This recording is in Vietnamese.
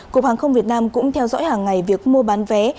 cục hàng không việt nam cũng theo dõi hàng ngày việc mua bán vé